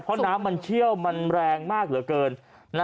เพราะน้ำมันเชี่ยวมันแรงมากเหลือเกิน